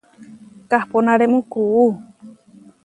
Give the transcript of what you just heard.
Kahponarému kuú.